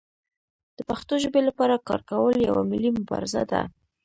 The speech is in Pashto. د پښتو ژبې لپاره کار کول یوه ملي مبارزه ده.